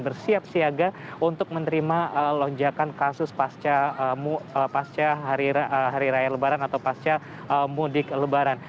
bersiap siaga untuk menerima lonjakan kasus pasca hari raya lebaran atau pasca mudik lebaran